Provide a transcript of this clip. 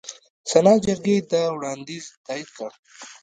سنا جرګې دا وړاندیز تایید کړ.